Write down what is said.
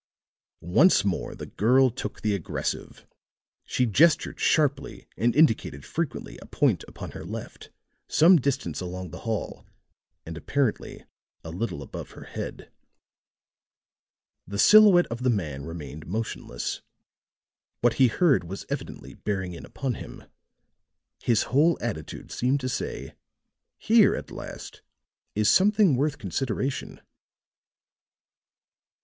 Once more the girl took the aggressive; she gestured sharply and indicated frequently a point upon her left, some distance along the hall, and apparently a little above her head. The silhouette of the man remained motionless; what he heard was evidently bearing in upon him; his whole attitude seemed to say: "Here at last is something worth consideration."